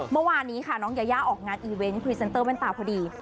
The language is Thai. เมื่อวานนี้ค่ะน้องยายาออกงานอีเวนต์พรีเซนเตอร์แว่นตาพอดี